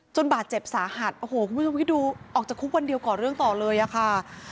บาดเจ็บสาหัสโอ้โหคุณผู้ชมคิดดูออกจากคุกวันเดียวก่อเรื่องต่อเลยอะค่ะ